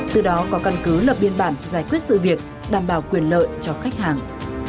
từ đó có căn cứ lập biên bản giải quyết sự việc đảm bảo quyền lợi cho khách hàng